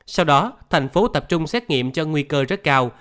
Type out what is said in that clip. sau đó thành phố tập trung xét nghiệm cho nguy cơ rất cao